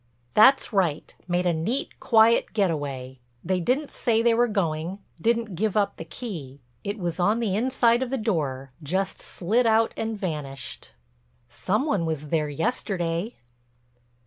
"That's right—made a neat, quiet get away. They didn't say they were going, didn't give up the key—it was on the inside of the door. Just slid out and vanished." "Some one was there yesterday."